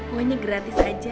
pokoknya gratis aja